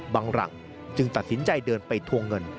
หลังจึงตัดสินใจเดินไปทวงเงิน